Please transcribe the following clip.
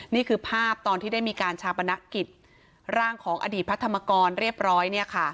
นี่คือภาพตอนที่ได้มีการชาปนกิจร่างของอดีตพระธรรมกรเรียบร้อยเนี่ยค่ะ